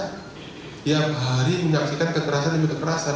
setiap hari menyaksikan kekerasan demi kekerasan